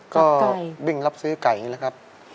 ก็บิ่งรับซื้อไก่อย่างนี้แหละครับ